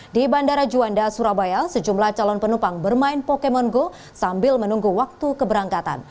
di bandara juanda surabaya sejumlah calon penumpang bermain pokemon go sambil menunggu waktu keberangkatan